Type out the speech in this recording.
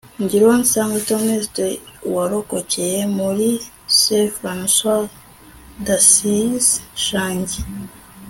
ngiruwonsanga théoneste warokokeye muri st françois d'assise shangi